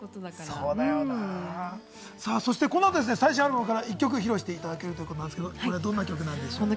そしてこの後、最新アルバムから１曲披露していただけるということですが、どんな曲ですか？